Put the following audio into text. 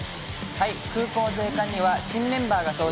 空港税関には新メンバーが登場！